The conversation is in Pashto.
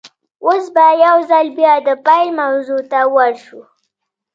اوس به يوځل بيا د پيل موضوع ته ور شو.